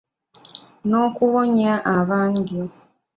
N’okuwonya abangi.